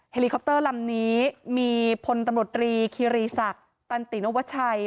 เลิคอปเตอร์ลำนี้มีพลตำรวจรีคิรีศักดิ์ตันตินวัชัย